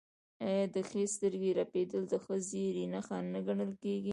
آیا د ښي سترګې رپیدل د ښه زیری نښه نه ګڼل کیږي؟